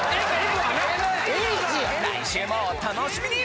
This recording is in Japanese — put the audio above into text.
来週もお楽しみに！